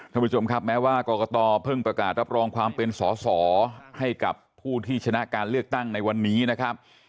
ท่านผู้ชมครับแม้ว่ากรกตเพิ่งประกาศรับรองความเป็นสอสอให้กับผู้ที่ชนะการเลือกตั้งในวันนี้นะครับ